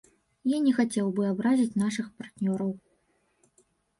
Я не хацеў бы абразіць нашых партнёраў.